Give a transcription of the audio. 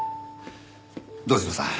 堂島さん。